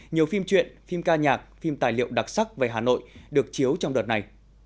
nhiều phim truyện phim ca nhạc phim tài liệu đặc sắc về hà nội được chiếu trong đợt này